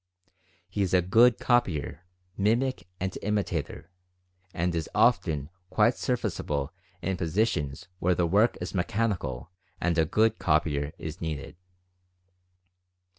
He is a good copyer, mimic, and imitator, and is often quite service able in positions where the work is mechanical and a "good copyer" is needed.